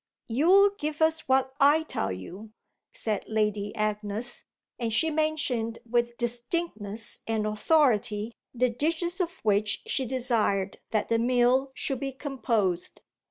"You'll give us what I tell you," said Lady Agnes; and she mentioned with distinctness and authority the dishes of which she desired that the meal should be composed.